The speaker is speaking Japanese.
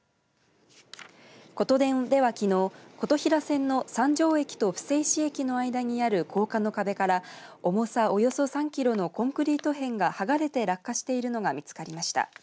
ことでんでは、きのう琴平線の三条駅と伏石駅の間にある高架の壁から重さおよそ３キロのコンクリート片がはがれて落下しているのが見つかりました。